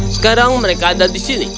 sekarang mereka ada di sini